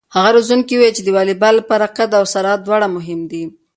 هغه روزونکی وویل چې د واليبال لپاره قد او سرعت دواړه مهم دي.